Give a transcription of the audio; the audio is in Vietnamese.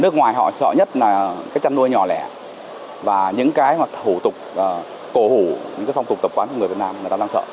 các chăn nuôi nhỏ lẻ và những phong tục tập quán của người việt nam người ta đang sợ